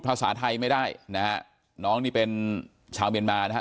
ภาษาไทยไม่ได้นะฮะน้องนี่เป็นชาวเมียนมานะครับ